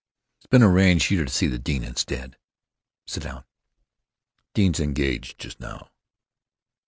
"It's been arranged you're to see the dean instead. Sit down. Dean's engaged just now."